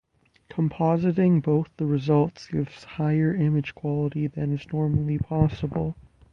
Compositing both the results gives higher image quality than is normally possible.